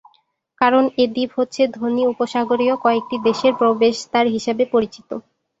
কারণ এ দ্বীপ হচ্ছে ধনী উপসাগরীয় কয়েকটি দেশের প্রবেশদ্বার হিসেবে পরিচিত।